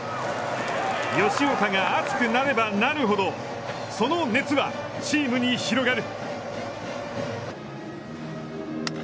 吉岡が熱くなればなるほどその熱はチームに広がる。